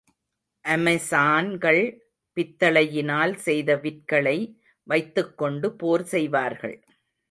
அமெசான்கள் பித்தளையினால் செய்த விற்களை வைத்துக்கொண்டு போர் செய்வார்கள்.